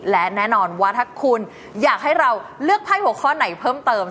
และแน่นอนว่าถ้าคุณอยากให้เราเลือกไพ่หัวข้อไหนเพิ่มเติม